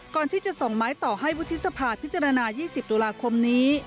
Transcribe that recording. ก่อนที่จะส่งไม้ต่อให้วุฒิสภาพิจารณา๒๐ตุลาคมนี้